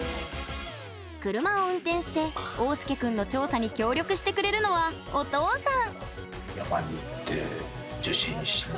車を運転して、桜涼君の調査に協力してくれるのはお父さん！